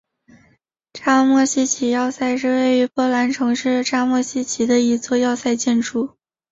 扎莫希奇要塞是位于波兰城市扎莫希奇的一座要塞建筑。